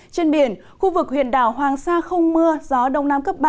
trên biển khu vực huyện đảo hoàng sa không mưa gió đông nam cấp ba